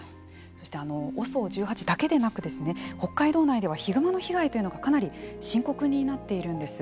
そしてＯＳＯ１８だけでなく北海道内では、ヒグマの被害がかなり深刻になっているんです。